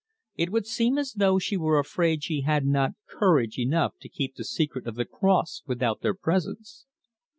It would seem as though she were afraid she had not courage enough to keep the secret of the cross without their presence.